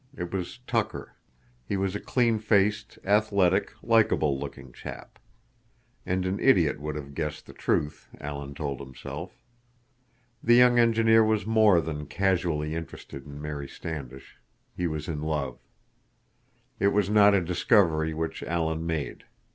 It was Tucker. He was a clean faced, athletic, likable looking chap. And an idiot would have guessed the truth, Alan told himself. The young engineer was more than casually interested in Mary Standish; he was in love. It was not a discovery which Alan made.